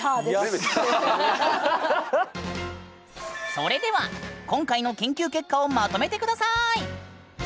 それでは今回の研究結果をまとめて下さい！